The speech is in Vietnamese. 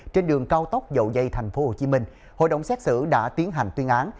trên đường cao tốc dậu dây tp hcm hội đồng xét xử đã tiến hành tuyên án